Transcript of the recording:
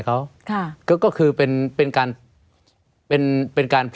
ไม่มีครับไม่มีครับ